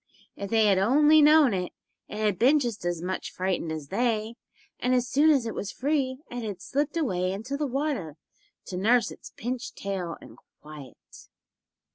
If they had only known it, it had been just as much frightened as they, and as soon as it was free it had slipped away into the water to nurse its pinched tail in quiet.